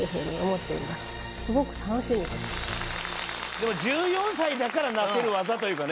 でも１４歳だからなせる技というかね